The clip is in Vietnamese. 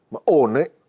mà ổn ấy